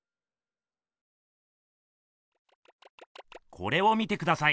これを見てください。